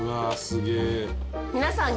すげえ。